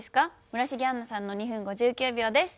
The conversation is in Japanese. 村重杏奈さんの２分５９秒です。